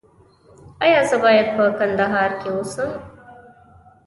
ایا زه باید په کندهار کې اوسم؟